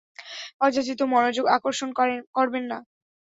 অযাচিত মনোযোগ আকর্ষণ করবেন না।